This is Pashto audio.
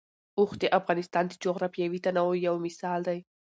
اوښ د افغانستان د جغرافیوي تنوع یو مثال دی.